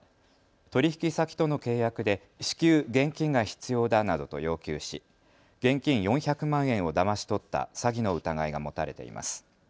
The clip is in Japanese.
取引先との契約で至急、現金が必要だなどと要求し現金４００万円をだまし取った詐欺の疑いが持たれています。